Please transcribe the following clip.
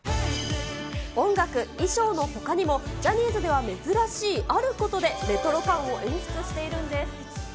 音楽、衣装のほかにもジャニーズでは珍しいあることでレトロ感を演出しているんです。